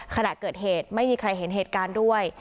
ขณะเกิดเหตุไม่มีใครเห็นเหตุการณ์ด้วย